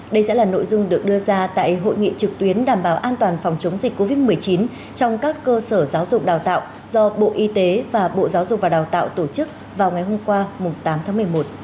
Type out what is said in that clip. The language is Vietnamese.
đây sẽ là nội dung được đưa ra tại hội nghị trực tuyến đảm bảo an toàn phòng chống dịch covid một mươi chín trong các cơ sở giáo dục đào tạo do bộ y tế và bộ giáo dục và đào tạo tổ chức vào ngày hôm qua tám tháng một mươi một